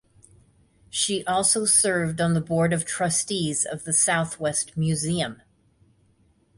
She also served on the board of trustees of the Southwest Museum.